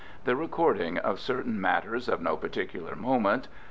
The recording of certain matters of no particular moment.